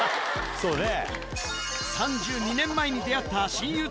そうね。